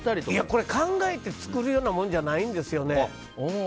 これ、考えて作るようなもんじゃないんですよね。